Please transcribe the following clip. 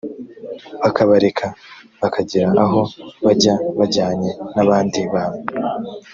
bakabareka bakagira aho bajya bajyanye n abandi bantu